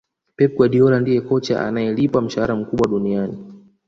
Pep Guardiola ndiye kocha anayelipwa mshahara mkubwa duniani